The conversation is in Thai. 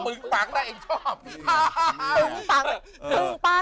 ปึ้งปังน่าเองชอบ